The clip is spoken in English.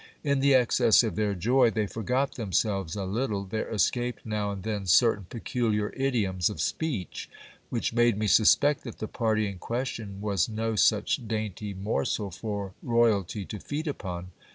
In the excess of their joy, they :brgot themselves a little. There escaped now and then certain peculiar idioms of speech, which made me suspect that the party in question was no such dainty norsel for royalty to feed upon.